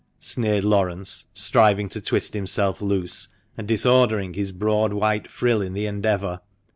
sneered Laurence, striving to twist himself loose, and disordering his broad white frill in the endeavour.